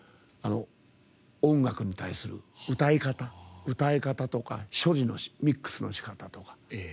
音楽に対する、歌い方とか処理のミックスのしかたとか。